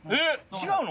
違うの？